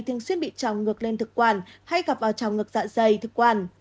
thường xuyên bị trào ngược lên thực quản hay gặp vào trào ngược dạ dày thực quản